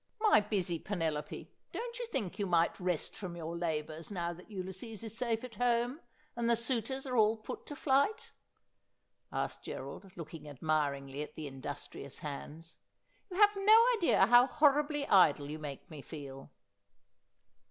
' My busy Penelope, don't you think you might rest from your labours now that Ulysses is safe at home, and the suitors are all put to flight ?' asked Gerald, looking admiringly at the industrious hands. ' You have no idea how horribly idle you make me feel.'